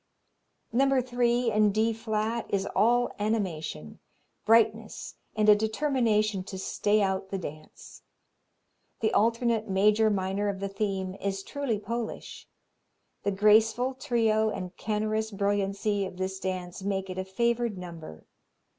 No. 3 in D flat is all animation, brightness and a determination to stay out the dance. The alternate major minor of the theme is truly Polish. The graceful trio and canorous brilliancy of this dance make it a favored number.